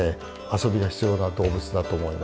遊びが必要な動物だと思います。